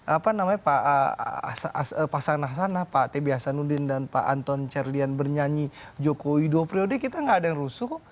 apa namanya pak asana asana pak t b hasanudin dan pak anton cerlian bernyanyi joko widodo priode kita nggak ada yang rusuh kok